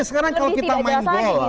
lebih tidak jelas lagi gitu ya